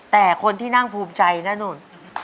แต่คนที่นั่งภูมิใจนะนู่น